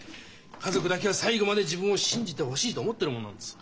家族だけは最後まで自分を信じてほしいと思ってるもんなんです。